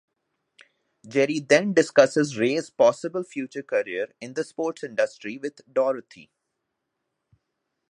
Jerry then discusses Ray's possible future career in the sports industry with Dorothy.